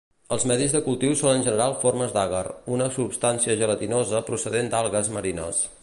Els medis de cultiu són en general formes d'agar, una substància gelatinosa procedent d'algues marines.